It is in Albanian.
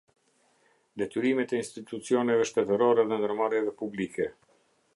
Detyrimet e Institucioneve Shtetërore dhe Ndërmarrjeve Publike.